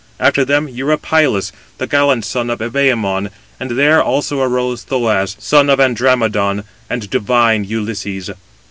After them Eurypylus, the gallant son of Evæmon. And there [also arose] Thoas, son of Andræmon, and divine Ulysses.